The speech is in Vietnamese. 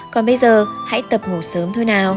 còn bây giờ hãy tập ngủ sớm thôi nào